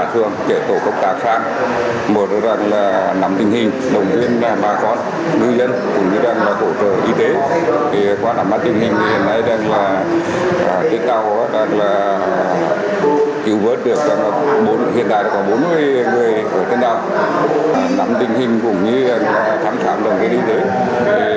hiện tại có bốn mươi người ở trên đoàn năm tình hình cũng như thăm thám đồng kỳ đi tới